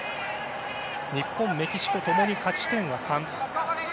日本、メキシコ、共に勝ち点は３。